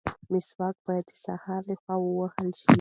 مسواک باید د سهار لخوا ووهل شي.